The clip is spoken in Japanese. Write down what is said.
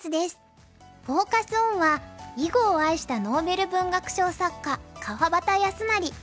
フォーカス・オンは「囲碁を愛したノーベル文学賞作家・川端康成」。